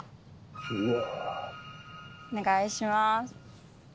お願いします。